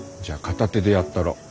じゃあ片手でやったろ。